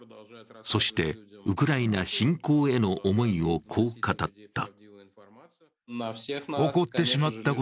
そしてウクライナ侵攻への思いをこう語った。